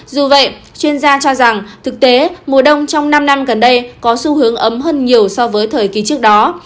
dù vậy chuyên gia cho rằng thực tế mùa đông trong năm năm gần đây có xu hướng ấm hơn nhiều so với thời kỳ trước đó